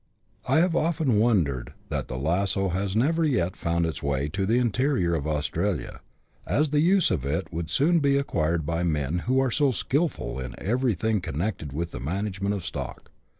I have often wondered that the lasso has never yet found its way into the interior of Australia, as the use of it would soon be acquired by men who are so skilful in everything connected with the management of stock.